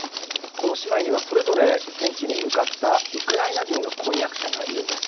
この姉妹にはそれぞれ戦地に向かったウクライナ人の婚約者がいるんです。